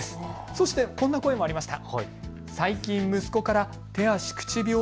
そしてこんな声もありました。